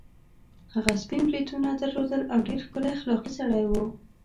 هغه سپین بریتونه درلودل او ډېر ښکلی اخلاقي سړی وو.